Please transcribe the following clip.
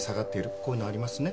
こういうのありますね？